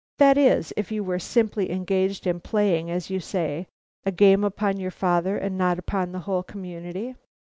That is, if you were simply engaged in playing, as you say, a game upon your father, and not upon the whole community?"